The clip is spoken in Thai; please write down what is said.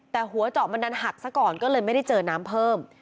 แต่หัวเจาะมันดันหักซะก่อนก็เลยไม่ได้เจอน้ำเพิ่ม